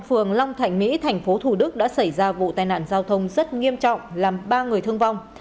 phường long thạnh mỹ tp thủ đức đã xảy ra vụ tai nạn giao thông rất nghiêm trọng làm ba người thương vong